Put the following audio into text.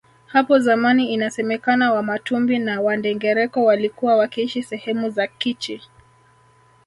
Hapo zamani inasemekana wamatumbi na wandengereko walikuwa wakiishi sehemu za Kichi